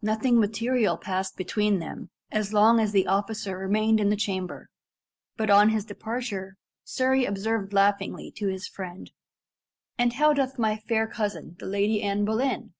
Nothing material passed between them as long as the officer remained in the chamber, but on his departure Surrey observed laughingly to his friend, "And how doth my fair cousin, the Lady Anne Boleyn?"